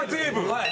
はい。